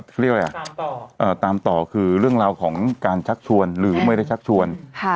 เขาเรียกอะไรอ่ะตามต่อคือเรื่องราวของการชักชวนหรือไม่ได้ชักชวน